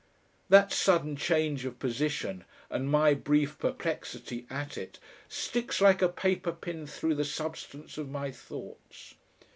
That sudden change of position and my brief perplexity at it, sticks like a paper pin through the substance of my thoughts.